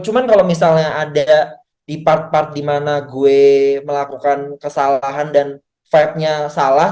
cuman kalo misalnya ada di part part dimana gue melakukan kesalahan dan vibes nya salah